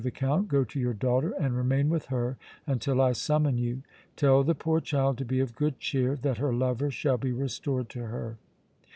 the Count, go to your daughter and remain with her until I summon you. Tell the poor child to be of good cheer! that her lover shall be restored to her!"